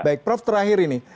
baik prof terakhir ini